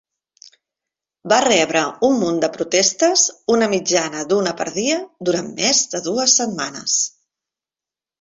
Va rebre un munt de protestes, una mitjana d'una per dia, durant més de dues setmanes.